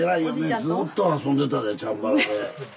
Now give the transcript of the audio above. ずっと遊んでたでチャンバラで。